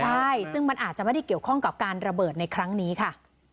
ใช่ซึ่งมันอาจจะไม่ได้เกี่ยวข้องกับการระเบิดในครั้งนี้ค่ะ